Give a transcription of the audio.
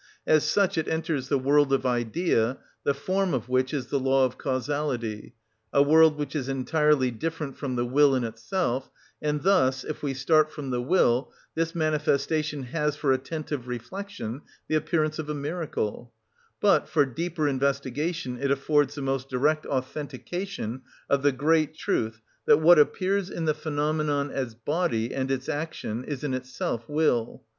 As such it enters the world of idea, the form of which is the law of causality, a world which is entirely different from the will in itself: and thus, if we start from the will, this manifestation has, for attentive reflection, the appearance of a miracle, but for deeper investigation it affords the most direct authentication of the great truth that what appears in the phenomenon as body and its action is in itself will.